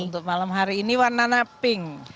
untuk malam hari ini warna warna pink